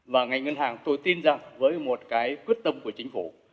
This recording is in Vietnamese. và ngành ngân hàng tôi tin rằng với một cái quyết tâm của chính phủ